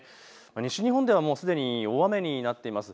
西日本ではすでに大雨になっています。